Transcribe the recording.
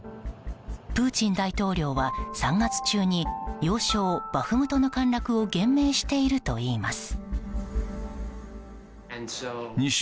プーチン大統領は３月中に要衝バフムトの陥落を言明しているといいます。